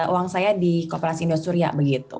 uang saya di kooperasi indosuria begitu